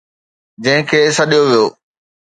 جنهن کي سڏيو ويو